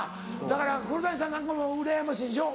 だから黒谷さんなんかもうらやましいんでしょ？